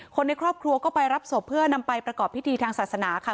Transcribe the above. คนในครอบครัวก็ไปรับศพเพื่อนำไปประกอบพิธีทางศาสนาค่ะ